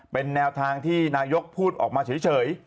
เป็นแนวทางที่นายกพูดออกมาเฉย